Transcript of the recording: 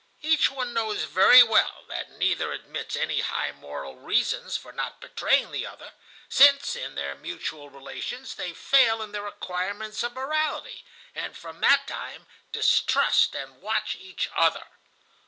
Each one knows very well that neither admits any high moral reasons for not betraying the other, since in their mutual relations they fail in the requirements of morality, and from that time distrust and watch each other.